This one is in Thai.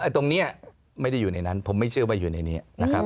ตรงนี้ไม่ได้อยู่ในนั้นผมไม่เชื่อว่าอยู่ในนี้นะครับ